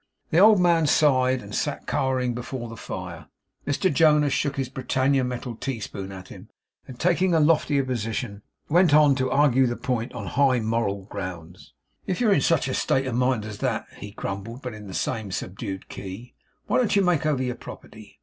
The old man sighed, and still sat cowering before the fire. Mr Jonas shook his Britannia metal teaspoon at him, and taking a loftier position, went on to argue the point on high moral grounds. 'If you're in such a state of mind as that,' he grumbled, but in the same subdued key, 'why don't you make over your property?